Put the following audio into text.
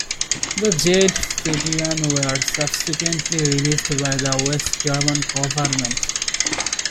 The jailed fedayeen were subsequently released by the West German government.